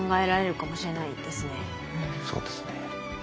そうですね。